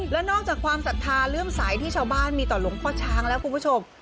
แล้วนอกจากความศรัทธาเลื่อมใสที่ชาวบ้านมีต่อหลวงพ่อช้างแล้วคุณผู้ชม